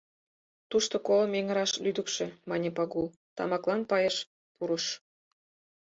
Тушто колым эҥыраш лӱдыкшӧ, — мане Пагул, тамаклан пайыш пурыш.